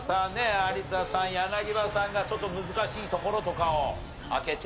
有田さん柳葉さんがちょっと難しいところとかを開けて。